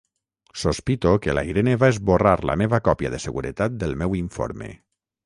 Sospito que la Irene va esborrar la meva còpia de seguretat del meu informe.